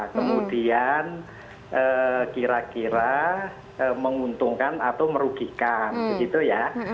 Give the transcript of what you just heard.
kemudian kira kira menguntungkan atau merugikan begitu ya